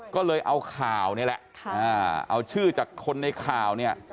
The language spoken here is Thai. ก็เลยเอาข่าวนี่แหละเอาชื่อจากคนในข่าวเนี่ย